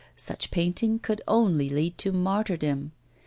Such painting could only lead to martyrdom.